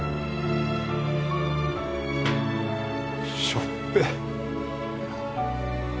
しょっぺえ。